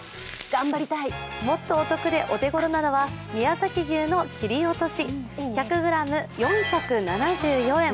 もっとお得でお手ごろなのは宮崎牛の切り落とし、１００ｇ４７４円。